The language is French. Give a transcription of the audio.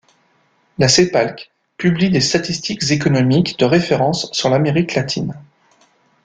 La Cépalc publie des statistiques économiques de référence sur l'Amérique latine.